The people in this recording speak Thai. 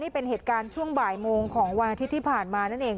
เป็นเหตุการณ์ช่วงบ่ายโมงของวันอาทิตย์ที่ผ่านมานั่นเอง